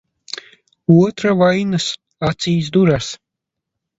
Otra vainas acīs duras.